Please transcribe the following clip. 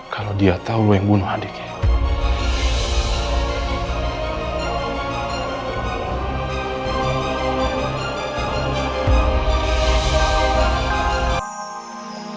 kalau dia tahu kamu yang membunuh adiknya